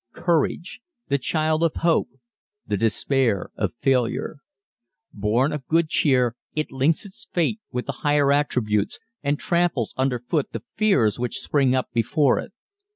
Courage the child of Hope the despair of Failure. Born of Good Cheer it links its fate with the higher attributes and tramples under foot the fears which spring up before it.